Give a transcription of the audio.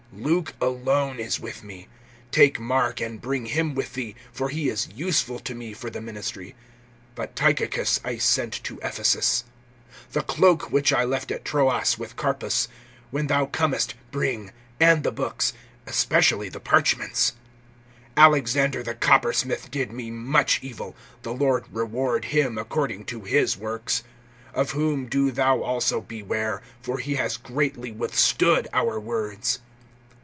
(11)Luke alone is with me. Take Mark and bring him with thee; for he is useful to me for the ministry. (12)But Tychicus I sent to Ephesus. (13)The cloak, which I left at Troas with Carpus, when thou comest bring, and the books, especially the parchments. (14)Alexander the coppersmith did me much evil; the Lord reward him according to his works. (15)Of whom do thou also beware; for he has greatly withstood our words.